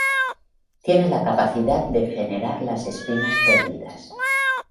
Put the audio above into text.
Tienen la capacidad de regenerar las espinas perdidas.